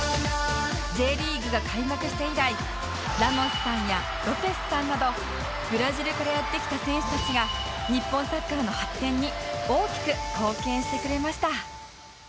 Ｊ リーグが開幕して以来ラモスさんや呂比須さんなどブラジルからやって来た選手たちが日本サッカーの発展に大きく貢献してくれました